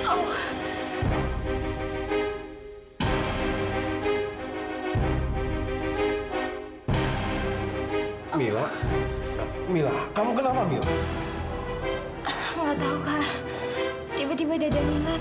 sampai jumpa di video selanjutnya